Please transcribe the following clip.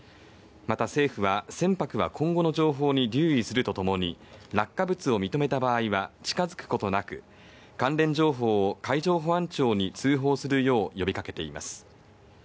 また政府は船舶は今後の情報に留意するとともに落下物を認めた場合は近づくことなく関連情報を海上保安庁に通報するよう呼びかけています。